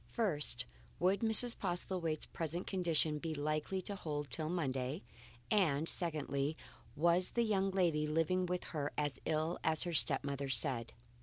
First, would Mrs. Postlethwaite's present condition be likely to hold good till Monday; and secondly, was the young lady living with her as ill as her step mother said.